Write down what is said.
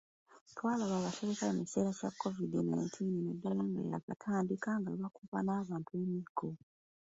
Twalaba abaserikale mu kiseera kya Covid nineteen naddala nga yaakatandika nga bakuba n'abantu emiggo